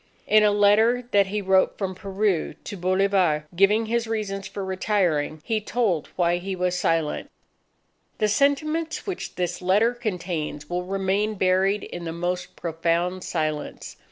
In a letter that he wrote from Peru to Bolivar, giving his reasons for retiring, he told why he was silent: "_The sentiments which this letter contains will remain buried in the most profound silence.